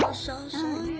そうよ。